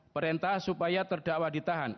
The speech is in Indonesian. perintah supaya terdakwa ditahan